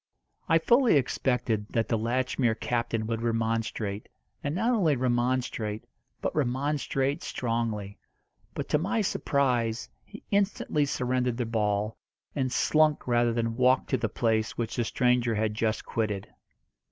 I fully expected that the Latchmere captain would remonstrate, and not only remonstrate, but remonstrate strongly; but, to my surprise, he instantly surrendered the ball, and slunk rather than walked to the place which the stranger had just quitted.